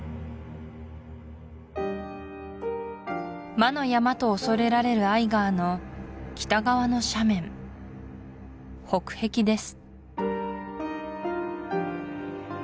魔の山と恐れられるアイガーの北側の斜面北壁です